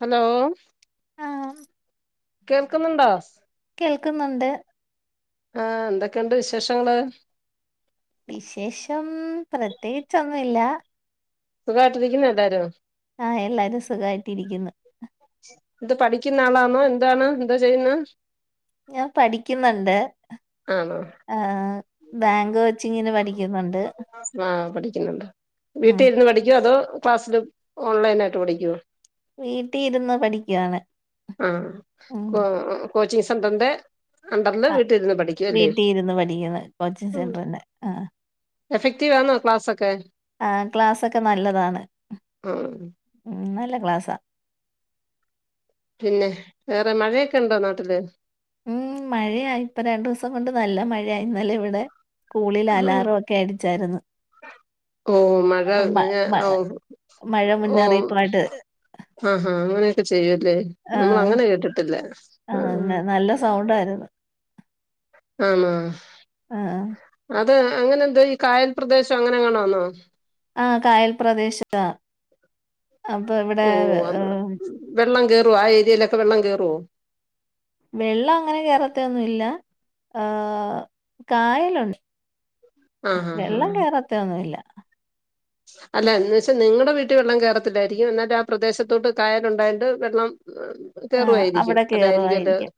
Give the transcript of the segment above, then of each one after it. Hello ആഹ് കേൾക്കുന്നുണ്ടോ കേൾക്കുന്നുണ്ട് ആഹ് എന്തൊക്കെണ്ട് വിശേഷങ്ങള് വിശേഷം പ്രത്യേകിച്ചൊന്നുല്ല സുഖായിട്ടിരിക്കുന്ന എല്ലാരും ആഹ് എല്ലാരും സുഖായിട്ടിരിക്കുന്നു ഇത് പഠിക്കുന്ന ആളാണോ എന്താണ് എന്താ ചെയ്യുന്ന് ഞാൻ പഠിക്കുന്നുണ്ട് ആണോ ആഹ് ബാങ്ക് കോച്ചിങ്ങിന് പഠിക്കുന്നുണ്ട് ആഹ് പഠിക്കുന്നുണ്ട് ഉം വീട്ടിലിരുന്ന് പഠിക്കുവോ അതോ ക്ലാസ്സില് ഓൺലൈനായിട്ട് പഠിക്കുവോ വീട്ടീര്ന്ന് പഠിക്കാണ് ആഹ് ആഹ് കോ കോച്ചിങ് സെന്റർന്റെ അണ്ടർല് ആഹ് വീട്ടിരുന്ന് പഠിക്കല്ലേ വീട്ടി ഇരുന്ന് പഠിക്കുന്നു കോച്ചിങ് ഉം സെന്ററിന്റെ ആഹ് എഫക്റ്റീവ് ആന്നോ ക്ലാസൊക്കെ ആഹ് ക്ലാസ്സൊക്കെ നല്ലതാണ് ആഹ് ഉം നല്ല ക്ലാസ്സാ പിന്നെ വേറെ മഴയൊക്കെണ്ടോ നാട്ടില് ഉം മഴയാ ഇപ്പ രണ്ടുസം കൊണ്ട് നല്ല മഴയാ ഇന്നലെ ഇവടെ കൂളില് ആഹ് അലാറം ഒക്കെ അടിച്ചാരുന്നു ഓഹ് മഴ കഞ്ഞ മ ഓഹ് മഴ ഓഹ് മുന്നറിയിപ്പായിട്ട് ആഹാ അങ്ങനെയൊക്കെ ചെയ്യോല്ലേ നമ്മള് ആഹ് അങ്ങനെ കേട്ടിട്ടില്ല ആഹ് സൗണ്ടാര്ന്നു ആന്നോ ആഹ് അത് അങ്ങനെ എന്ത് ഈ കായൽ പ്രദേശം അങ്ങനെങ്ങാണാന്നോ ആഹ് കായൽ പ്രദേശാ അപ്പൊ അവി ഓഹ് അത് വെള്ളം കേറോ ആഹ് ഏരിയിലൊക്കെ വെള്ളം കേറോ വെള്ള അങ്ങനെ കേറത്തൊന്നും ഇല്ല ആഹ് കായലുണ്ട് ആഹ് ആഹ് വെള്ളം ആഹ് കേറത്തൊന്നുല്ല അല്ല എന്ന് വെച്ചാ നിങ്ങടെ വീട്ടിൽ വെള്ളം കേറത്തില്ലാരിക്കും എന്നാല് ആഹ് പ്രദേശത്തോട്ട് കായലുണ്ടായോണ്ട് വെള്ളം ആഹ് കേറുവായിരിക്കും അവിടെ അതായിരിക്കും അത് കേറുവായിരിക്കും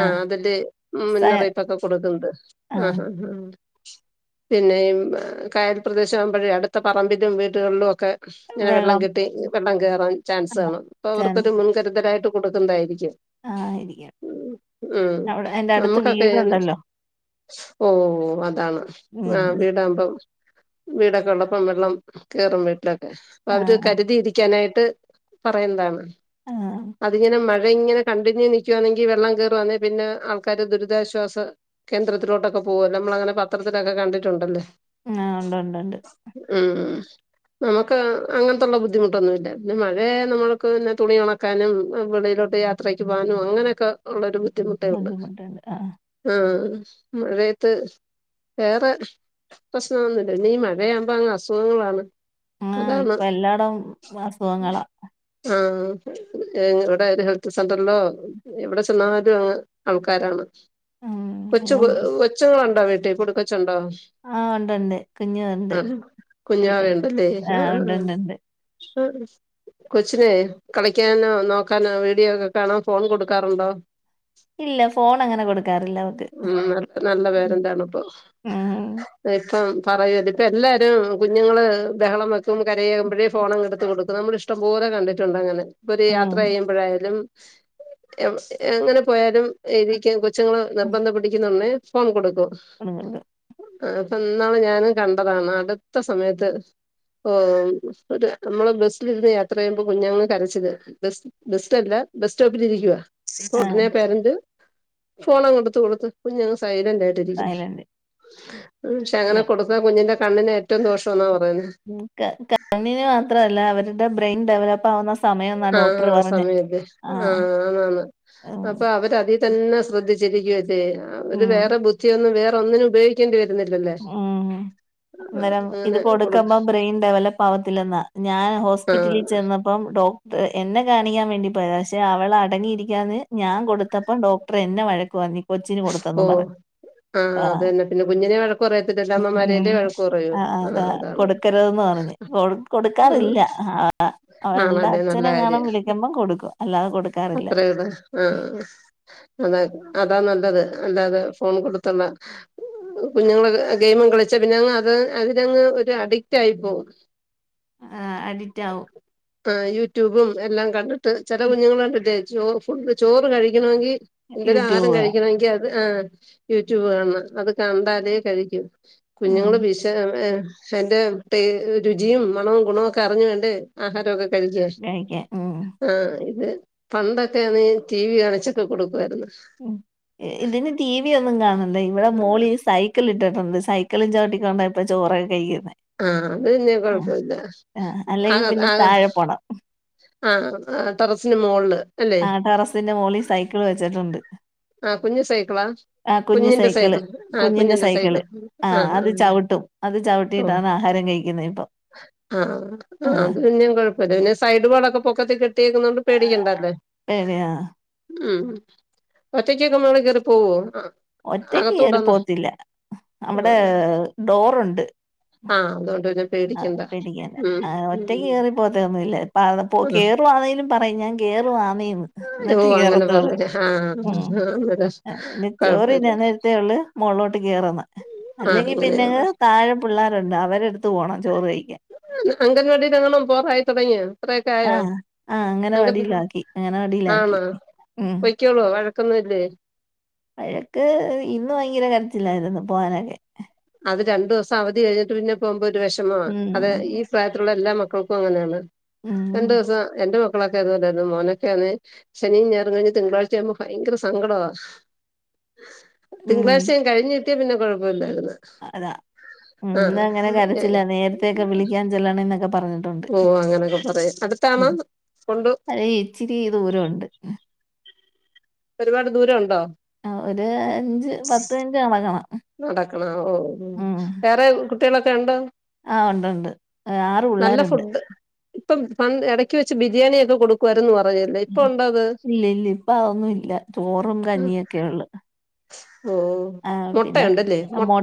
ആഹ് അതന്നെ സ മുന്നറിയിപ്പൊക്കെ കൊടുക്കുന്നത് ആഹ് ആഹ് ആഹ് പിന്നെ കായൽ പ്രദേശ ആവുമ്പഴേ അടുത്ത പറമ്പിലും വീടുകളിലും ഒക്കെ ഇങ്ങനെ വെള്ളം കെട്ടി വെള്ളം കേറാൻ ചാൻസ് ആഹ് കാണും പ്പൊ അവർക്കൊരു ചാൻസ് മുൻ കരുതലായിട്ട് കൊടുക്കുന്നതായിരിക്കും ആയിരിക്കും ഉം ഉം അവിടെ എന്റെ അടുത്ത് നമ്മുക്കൊക്കെ എന്നാ വീടുണ്ടല്ലോ ഓഹ് അതാണ് ഉം ആഹ് വീടാകുമ്പോ വീടൊക്കെള്ള പ്പം വെള്ളം കേറും വീട്ടിലൊക്കെ അപ്പ അവര് ആഹ് കരുതിയിരിക്കാനായിട്ട് പറയുന്നതാണ് ആഹ് അതിങ്ങനെ മഴ ഇങ്ങനെ കണ്ടിന്യൂ നിക്കുവാന്നെങ്കി വെള്ളം കേറുവാന്നെ പിന്നെ ആൾക്കാര് ദുരിതാശ്വാസ കേന്ദ്രത്തിലോട്ടൊക്കെ പോകു നമ്മളങ്ങനെ പത്രത്തിലൊക്കെ കണ്ടിട്ടുണ്ടല്ലേ ആഹ് ഉണ്ട് ഉണ്ട് ഉണ്ട് ഉം ഉം നമുക്ക് അങ്ങന് ത്തുള്ള ബുദ്ധിമുട്ടൊന്നുല്ല പിന്നെ മഴയായ നമ്മൾക്ക് പിന്നെ തുണിഉണ ക്കാനുംആഹ് വെളിയിലോട്ട് യാത്രയ്ക്ക് പോകാനും അങ്ങനെക്കെ ഉള്ളൊരു ബുദ്ധിമു ബുദ്ധിമുട്ട് ആഹ. ആഹ മഴയത്ത് വേറെ പ്രശ്നൊന്നുമില്ല ഈ മഴയാണെങ്കി- ഇപ്പോ അങ്ങ് അസുഖങ്ങളാണ്. ആ അതാണ് ഇപ്പോ എല്ലായിടം അസുഖങ്ങളാ- ആഹ ഇവിടെ ഒരു ഹെൽത്ത് സെന്ററ്ല്ലോ- എവിടെ ചെന്നാലും ആൾക്കാരാണ്. ഉം കൊച്ചു എങ്ങും കൊച്ചങ്ങളുണ്ടോ വീടിൽകൂട്ടിക്കെച്ചുണ്ടോ- ആഹ് ഉണ്ടണ്ട് കുഞ്ഞു വാ ആഹ് ഹാ കുഞ്ഞുവാവ ഉണ്ടല്ലേ ആഹ് ഉണ്ട് ഉണ്ട് ഉണ്ട് ആഹ് ആഹ് കൊച്ചിനെ കളിക്കാനോ നോക്കാനോ വീഡിയോ ഒക്കെ കാണാം ഫോൺ കൊടുക്കാറുണ്ടോ? ഇല്ല ഫോൺ അങ്ങനെ കൊടുക്കാറില്ല അവക്ക് ഉം നല്ല നല്ല പേരെൻ്റാണ്പ്പോ? ഉം ഇപ്പോ പറയല്ല ഇപ്പോ എല്ലാവരും കുഞ്ഞുങ്ങള് ബഹളം വെക്കുമ്പോ കരയകുമ്പോഴേ ഫോണെടുത്ത് കൊടുക്കും. നമ്മളിഷ്ടം പോലെ കണ്ടിട്ടുണ്ട് അങ്ങനെ ഇപ്പോ ഒരു യാത്ര ഉം ചെയ്യുമ്പോഴായാലും. എ എങ്ങനെ പോയാലും എനിക്ക് കൊച്ചുങ്ങള് നിർബന്ധം പിടിക്കുന്നുണേ ഫോൺ കൊടുക്കും. അങ്ങനെ ആ അപ്പോ ഇന്നാണ് ഞാനും കണ്ടതാണ് അടുത്ത സമയത്ത് ഓ ഒരു നമ്മളെ ബസ്സിലിരുന്ന് യാത്ര ചെയ്യുമ്പോ കുഞ്ഞുങ്ങളുടെ കരച്ചിൽ ബ ബെസ്റ്റ് അല്ല ബസ് സ്റ്റോപ്പിലിരിക്കുവ- ആഹ് ഉടനെ പേരന്റ് ഫോണ് അങ്ങ് എടുത്ത് കൊടുത്ത് കുഞ്ഞ് അങ്ങ് സൈലന്റ് ആയി. സൈലന്റ് പക്ഷെ ഇല്ല അങ്ങനെ കൊടുത്ത കുഞ്ഞിന്റെ കണ്ണിന് ഏറ്റവും ദോഷം അന്നാ പറയുന്ന- ക കണ്ണിന് മാത്രമല്ല അവരുടെ ബ്രെയിൻ ഡെവലപ്പ് ആവുന്ന സമയംന്നാ ഡോക്ടർ ആഹ പറഞ്ഞെ സമയതെ ആഹ് ആഹ ആണ് ആണ് ഉം അപ്പോ അവര് അതിൽ- തന്നെ ശ്രദ്ധിച്ചിരിക്കും അതെ ഒരു ഉം വേറെ ബുദ്ധിയൊന്നും വേറെ ഒന്നിനും ഉപയോഗിക്കേണ്ടി വരുന്നില്ലല്ലേ. ഉം. അന്നേരം ഇത് അങ്ങനെ കൊടു കൊടുക്കുമ്പോ ബ്രെയിൻ ഡെവലപ്പ് ആവത്തില്ലെന്നാ ഞാൻ ആഹ് ഹോസ്പിറ്റലിൽ ചെന്നപ്പോ അപ്പം ഡോക്ടർ എന്നെ കാണിക്കാൻ വേണ്ടിപ്പോയ പക്ഷെ അവള് അടങ്ങിയിരിക്കാന്ന് ഞാൻ കൊടുത്തു. ത്തപ്പം ഡോക്ടറെ എന്നെ വഴക്ക് പറഞ്ഞു കൊച്ചിന് കൊടുത്തന്ന് ഓഹ് പറഞ്ഞ് ആഹ് ആ അതന്നെ പിന്നെ കുഞ്ഞിനെ കുറയത്തില്ലല്ലോ അമ്മമാരല്ല വഴക്ക് പറയു ആഹ് ആ അതാ അതാണ്- കൊടുക്കരുതെന്ന് പറഞ്ഞ് കൊട് കൊടുക്കാറില്ല ആഹ അവളുടെ അതെ നല്ല അച്ഛനെങ്ങാനും കാര്യം വിളിക്കുമ്പം കൊടുക്കും അല്ലാതെ കൊടുക്കാറില്ല അത്രയതെ ആഹ അത് അതാ നല്ലത് അല്ലാതെ ഫോൺ കൊടുത്തുള്ള കുഞ്ഞുങ്ങള് ഗെയിമം കളിച്ച് പിന്നെങ്ങ് അത് അതിനങ്ങ് ഒരു അഡിക്റ്റ് ആയി പോകും. ആഹ അഡിറ്റ് ആകും. ആഹ യൂട്യൂബും എല്ലാം കണ്ടിട്ട് ചില കുഞ്ഞുങ്ങള കണ്ടിട്ടേ ചോ ഫുഡ് ചോറ് കഴിക്കണമെങ്കിൽ എന്തെങ്കിലും ആഹാരം യൂട്യൂബ് കാണും കഴിക്കണെങ്കിൽ അത് ആ യൂട്യൂബ് കാണണം അത് കണ്ടാലേ കഴിക്കു. ഉം കുഞ്ഞുങ്ങള് വിശ എന്റെ പേ രുചിയും മണവും ഗുണവും ഒക്കെ അറിഞ്ഞു വേണ്ടേ- ആഹാരമൊക്കെ കഴിക്കാൻ കഴിക്കാൻ ഉം ആഹ ഇത് പണ്ടൊക്കെ നീ ടി വി കാണിച്ചൊക്കെ കൊടുക്കുവായിരുന്നു. ഇതിന് ടി വി ഒന്നും കാണണ്ടേ ഇവിടെ മോളി ഈ സൈ- സൈക്കലിട്ടിട്ടുണ്ട് സൈക്കിള് ചവിട്ടിക്കൊണ്ടയിപ്പോ ചോറൊക്കെ കഴിക്കുന്ന. ആഹ അത് പിന്നെ കുഴപ്പമില്ല ആഹ് ആഹ അല്ലെങ്കി പിന്നെ ആഹ താഴെ പോണം ആഹ ടെറസിന് മോള്ല് ആഹ ടെറസിന്റെ മുകളിൽ സൈക്കിൾ വെച്ചിട്ടുണ്ട്. ആഹ കുഞ്ഞ് സൈക്കളാ? ആ കുഞ്ഞു സൈക്കിള് കുഞ്ഞിന്റെ സൈക്കിൾ സൈക്കിള് ആഹ ആഹ് അത് ആഹ് ചവിട്ടും അത് ചവിട്ടും. ട്ടിയിട്ടാണ് ആഹാരം കഴിക്കുന്നത് ഇപ്പം. ആഹ് ആഹഅത് പിന്നെ കൊഴപ്പ അത് പിന്നെ സൈഡ് വാളൊക്കെ പൊക്കത്തിൽ കെട്ടിയേക്കുന്നണ്ട് പേടിക്കണ്ടല്ലേ പേടിയാ ഉം ഒറ്റയ്ക്ക് നിൽക്കുമ്പോൾ കയറി പോവുവോ- ഒറ്റക്ക് കയറി പോത്തില്ല അവിടെ ഡോറുണ്ട്. ആഹ് അതുകൊണ്ടും. ആ പ പിടിക്കാന ഒറ്റയ് കേറി പോകത്തൊന്നുല്ല അ കേറുവാണേലും പറയുംഞ്ഞൻ കേയറവാ. എന്നട്ടേ ഓഹ് അങ്ങനെ കേറത്തോള് പറയാ ആഹ് ഉ അന്നേരം ചോറി കൊഴപ്പല്ല തിന്നാനെ ള്ള മുകളിലോട്ട് കയറന്ന് ആഹ് അല്ലെങ്കിൽ പിന്നെ അങ്ങനെയാണ് താഴെ പിള്ളേരുണ്ട് അവരെടുത്ത് പോകണം ചോറ് കഴിക്കൻ. അംഗൻവാടി ങ്ങളും പോറായി തുടങ്ങിയ? അത്രയൊക്കെ ആയോ ആഹ് ആഹ് അടുത്ത് അംഗനവാടിയിലാക്കി അംഗനവാടിയിലാക്കി ആണോ ഉം [unintelligible] വഴക്കന്നും ഇല്ലേ? വഴക്ക് ഇന്ന ഭയങ്കര കരച്ചില്ലായിരുന്നുരുന്നു പോവാനൊക്കെ. അത് രണ്ടു ദിവസം അവധി കഴിഞ്ഞിട്ട് പിന്നെ പോകുമ്പോ ഒരു വിഷമ അത ഉം ഈ ഇപ്രായത്തിലുള്ള എല്ലാ മക്കൾക്കും അങ്ങനെണ്. ഉം രണ്ടു ദിവസം എന്റെ മക്കളൊക്കെയത് പോലെയൊ യിരുന്നു മോനൊക്കെയന്ന് ശനിയും ഞറും കഴിഞ്ഞ് തിങ്കളാഴ്ച ആവുമ്പോ ഭയങ്കര സങ്കടവാ. ഉം തിങ്കളാഴ്ച യും കഴിഞ്ഞഞ് കിട്ടിയ പിന്നെ കൊഴപ്പ ഇില്ലായിന്ന അതാ ഇന്ന് അങ്ങനെ കരച്ചില്ല നേരത്തെെയൊക്കെ വിളിക്കാൻ ചെല്ലണം നൊക്ക പറഞു ഓ അങ്ങനെയൊക്കെ പറയായും അടുത്തണോ കൊണ്ട് അത് ഇച്ചിരി ദൂരം ഉണ്ട്. ഒരുപാട് ദൂരം ഉണ്ടോ? ആ ഒരു അഞ്ച് പത്ത് മിനിറ്റ് നടക്കണം. നടക്കണ ഓ ഉ ഉം വേറെ കുട്ടികളൊക്കെ ഉണ്ടോ? ആ ഉണ്ട്ണ്ട് ആറ് നല്ല പിള്ളേരുണ്ട്. ഫുഡ് ഇപ്പം ഇടയ്ക്ക് വെച്ച് ബിരിയാണിയൊക്കെ കൊടുക്ക രന്ന് പറയും ഇല്ല ഇല്ല ഇപ്പ അതൊന്നും ഇല്ല ചോറും കഞ്ഞിയ ഒക്കെ ഉള്ളു. ഓ ആ മുട്ടയുണ്ടല്ലേ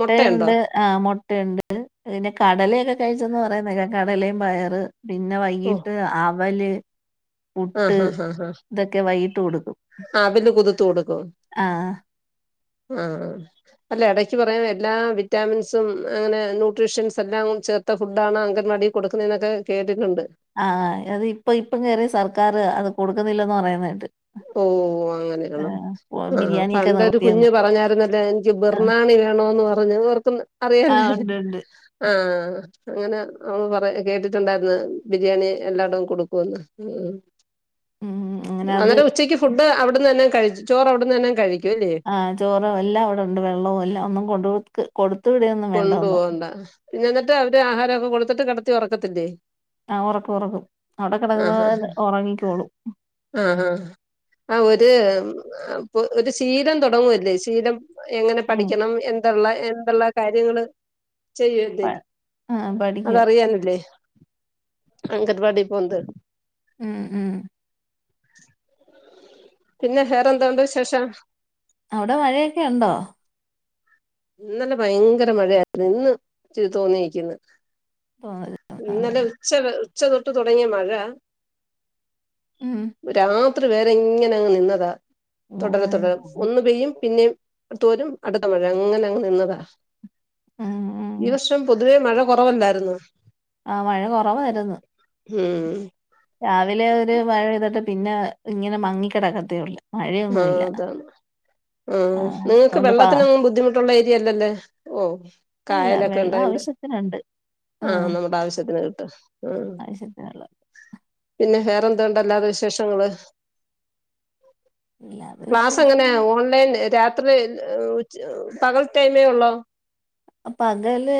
മുട്ടയുണ്ടോ? ആഹ മുട്ടയുണ്ട് പിന്നെ കടലൊക്കെ കഴിച്ചന്ന് പറയാ നേക്ക കടലയും പയറ് പിന്നെ ഓ വൈകീട്ട് അവല്. ആഹ് പുട്ട് ഹാ ഹാ ഹാ ഇതൊക്കെ വൈകിട്ട് കൊടുക്കും. ആഹ ആഹ അല്ല ഇടക്ക് പറയാം എല്ലാ വിറ്റാമിൻസും അങ്ങനെ ന്യട്രീഷ്യൻസ് എല്ലാം ചേർ ത്തെ ഫുഡ്ഡാണ് അങ്ങനെ മടി കൊടുക്കുന്നതൊക്ക കേട്ടിട്ടുണ്ട്. ആഹ അത് ഇപ്പൊ ഇപ്പം കേയറി സർക്കാർ അത് കൊടുക്കുന്നില്ലന്ന് പറയുന്നായിട്ട്. ഓഓ അങ്ങനെയാണ് ആഹ ബിരിയാണിയൊക്കെ പണ്ട ഒരു കുഞ്ഞ് നിർത്തിയെന്ന് പറഞ്ഞായിരുന്നല്ലേ എനിക്ക് ആഹ് ബെർണാണി വേണോന്ന് പറഞ്ഞ് അതോർക്കൊും അറിയലോ ഉണ്ട്ണ്ട് ആ അങ്ങനെ പറ കേട്ടിട്ടുണ്ടായിന്ന് ബിരിയാണി എല്ലാടവും കൊടുക്കുന്ന് ഉം അങ്ങനെ അത് അന്നരം ഉച്ചയ്ക്ക് ഫുഡ് അവിടുന്ന് തന്നെ കഴിച്ചു ചോറ് അവിടുന്ന് തന്നെ കഴിക്കുംല്ലേ? ആ ചോറോ എല്ലാം അവിടെ ഉണ്ട് വെള്ളോ എല്ലാം ഒന്നും കൊണ്ട കൊ കൊടുത്തുവിടെയൊന്നും കൊണ്ടു വേണ്ടന്നു. പോകണ്ട പിന്നെ എന്നിട്ട് അവര് ആഹാരംൊക്കെ കൊടുത്തിട്ട് കിടത്തി ഉറക്കത്തില്ലേ? ആ ഉറക്കും ഉറക്കും അവിടെ കിടക്കുന്ന ചെലപ്പം ഉറങ്ങിക്കോളും. ആ ആ ആ ഒരു ഒരു ശീലം തുടങ്ങുവല്ലേ ശീലം. എങ്ങനെ ഉം പഠിക്കണം എന്തുള്ള എന്തുള്ള കാര്യങ്ങള്. ചെയ്യൂതെ ആഹ് പഠിക്കുവാ അതറിയാനല്ലേ. അങ്കൻവാടി പോനത് ഉം ഉം പിന്നെ ഹേറെന്താ ഉണ്ട് വി ശേഷം അവിടെ മഴയൊക്കെ ഉണ്ടോ? ഇന്നലെ ഭയങ്കര മഴയായിരുന്നു ഇന്ന് തോന്നിയിരിക്കുന്നു ആ [unintelligible] ഇന്നലെ ഉച്ച ഉച്ച തൊട്ട് തുടങ്ങിയ മഴ ഉം ഒ മാത്ര പേരെ എങ്ങനെങ്ങ് നിന്നതാ ഓ തുടരെ തുടരെ ഒന്ന് പെയ്യും പിന്നെ തോരും അടുത്ത മഴ അങ്ങനെ അങ്ങനെ ഇന്നതാ ഉം ഉം ഈ വര്ഷം പൊതുവേ മഴ കുറവല്ലായിരുന്നോ ആഹ് മഴ കുറവരുന്നു ഹ്മ്മ് രാവിലെ ഒരു മഴെയ്തിട്ട് പിന്നെ ഇങ്ങനെ മങ്ങിക്കിടക്കത്തേ ഉള്ള ആഹ് അതാണ് ആഹ് നിങ്ങൾക്ക് അതുകൊണ്ട് പാ വെള്ളത്തിനൊന്നും ബുദ്ധിമുട്ട ഏരിയല്ലല്ലേ ഓഹ് അല്ല കായലൊക്കെ വെള്ളം ഇണ്ടായിണ്ട് ആവശ്യത്തിനുണ്ട് ആഹ് നമ്മുടെ ആവശ്യത്തിന് കിട്ടും ആഹ് ആവശ്യത്തിനുള്ളത് പിന്നെ വേറെ എന്തണ്ടല്ലാത്തെ വിശേഷങ്ങള് അല്ലാതെ ക്ലാസ് വിശേഷം എങ്ങനെയ ഓൺലൈൻ രാത്രി പകൽ ടൈമേ ഉള്ളോ അപ്പ പകല്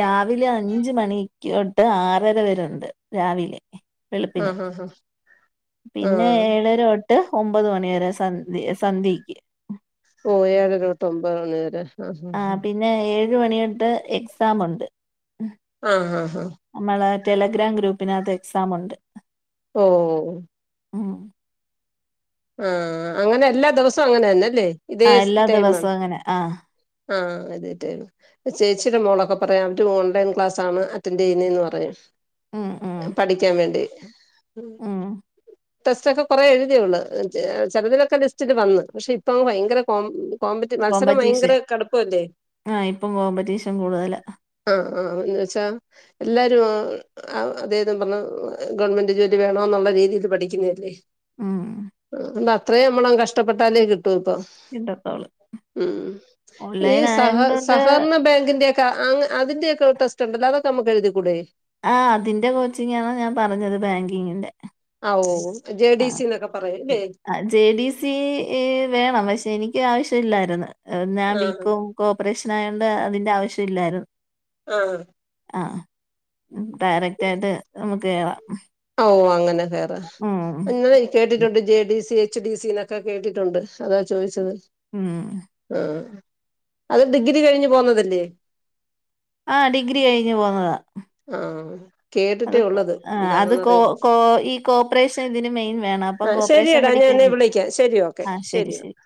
രാവിലെ അഞ്ച മണിക്കോട്ട് ആറര വരുണ്ട് രാവിലെ വെളുപ്പിന് ആഹ് ആഹ് ആഹ് പിന്നെ ആഹ് ഏഴരട്ട ഇട്ട് ഒമ്പത് മണി വരെ സന്ധ സന്ധ്യക്ക് ഓഹ് ഏഴുക തൊമ്പ ഒണേര ആഹ് പിന്നെ ഏഴ് മണിയൊട്ട് എക്സമുണ്ട് ആഹ് ആഹ് ആഹ് നമ്മളെ ടെലഗ്രാം ഗ്രൂപ്പിനകത്ത് എക്സാം ഉണ്ട് ഓഓഹ് ഉം ആഹ് അങ്ങനെ എല്ലാ ദിവസവും അങ്ങനെ തന്നെല്ലേ ഇതേ ആഹ് എല്ലാ ടൈമാണ് ദിവസവും അങ്ങനെ ആഹ് ആഹ് ആദ്യായിട്ട ചേച്ചിയുടെ മോളൊക്കെ പറയാം അവര് ഓൺലൈൻ ക്ലാസ്സണ് അറ്റൻഡറ് ചെയ്യുന്നതന്ന് പറയു ഉം ഉം പഠിക്കാൻ വേണ്ടി ഉം ടെസ്റ്റൊക്കെ കൊറെേ എഴുതി അവള് ചിലതിലൊക്കെ ലിസ്റ്റില് വന്നു പക്ഷെ ഇപ്പൊ ഭയങ്കര കോ കോമ്പറ്റി മത്സരം ഭയങ്കര കോമ്പറ്റീഷൻ കടുപ്പല്ലേ ആ ഇപ്പം കോമ്പറ്റീഷൻ കൂടുതലാ ആഹ് ആഹ്വെച്ചാ എല്ലാരും ആഹ് അതേത് പറഞ്ഞ ഗവൺമെന്റ് ജോലി വേണോ എന്നുള്ള രീതിയിൽ പഠിക്കുന്നല്ലേ ഉം ് അത്രയും നമ്മള കഷ്ടപ്പെട്ടാലേ കിട്ടും ഇപ്പൊ കിട്ടത്തോള് ഉം ഈ ഓൺലൈൻ സഹ ആയതുകൊണ്ട് സഹകരണ ബാങ്കിന്റെ അതിന്റെൊ ടെസ് ഉണ്ടല്ലോ അതൊക്കെ നമുക്ക് എഴുതിക്കൂടെേ ആഹ് അതിന്റെ കോച്ചിംഗ ആണ് ഞാൻ പറഞ്ഞത് ബാങ്കിങ്ങിന്റെ ആഹ് ഓഹ് ഓഹ് ആഹ് ആ ജെ ഡി സി വേണം പക്ഷെ എനിക്ക് ആവശ്യമില്ലായിരുന്നു ഞാൻ ആഹ് ബികോം ഓപ്പറേഷൻ ആയതോണ്ട് അതിന്റെ ആവശ്യം ഇല്ലായിരുന്നു ആഹ് ആഹ് ഡയറക്റ്റായിട്ട് നമുക്ക് കയറാം ഓഹ് അങ്ങനെ കേയറ എന്ന കേട്ടിട്ടുണ്ട് J D C H D C എന്നൊക്കെ കേട്ടിട്ടുണ്ട് അതാ ചോദിച്ചത് ഉം ആഹ് അത് ഡിഗ്രി കഴിഞ്ഞ് പോന്നതല്ലേ ആ ഡിഗ്രി കഴിഞ്ഞ് പോന്നതാ ആഹ് അത് കേട്ടിട്ടേ ഉള്ളത് ആഹ് അത് എന്താണെന്ന് കോ അറിയത്തില്ല കോ ഈ കോപ്പറേഷൻ ഇതിന് മെയിൻ വേണം. ഇപ്പം ആ കോപ്പറേഷൻ ശരിയടാ ഞാനെ പഠിക്ക്യാര്ന്ന് വിളിക്കാം ശരി ഓക്കെ ആഹ് ശരി ശെരി ശെരി.